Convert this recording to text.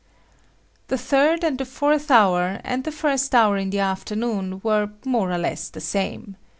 The third and the fourth hour and the first hour in the afternoon were more or less the same.